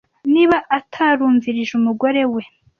niba atarumvirije umugore we